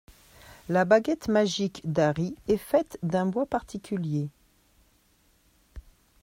La baguette magique d'Harry est faite d'un bois particulier.